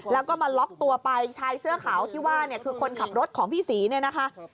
แล้วก็มาล็อกตัวไปชายเสื้อขาวที่ว่าเนี่ยคือคนขับรถของพี่ศรีเนี่ยนะคะ